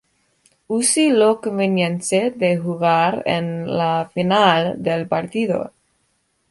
Usi lo convence de jugar en la final del partido.